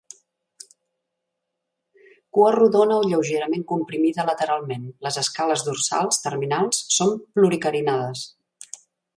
Cua rodona o lleugerament comprimida lateralment, les escales dorsals terminals són pluricarinades.